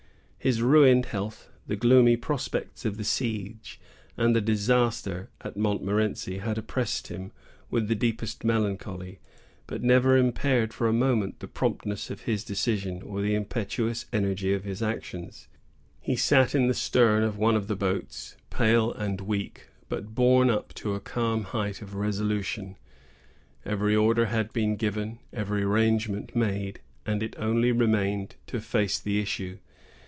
His ruined health, the gloomy prospects of the siege, and the disaster at Montmorenci, had oppressed him with the deepest melancholy, but never impaired for a moment the promptness of his decisions, or the impetuous energy of his action. He sat in the stern of one of the boats, pale and weak, but borne up to a calm height of resolution. Every order had been given, every arrangement made, and it only remained to face the issue.